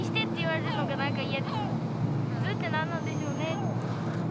「普通」ってなんなんでしょうね。